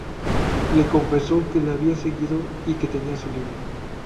Le confesó que le había seguido y que tenía su libro.